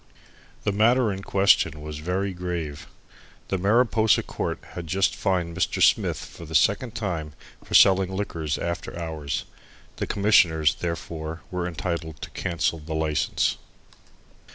The matter in question was very grave. The Mariposa Court had just fined Mr. Smith for the second time for selling liquors after hours. The Commissioners, therefore, were entitled to cancel the license.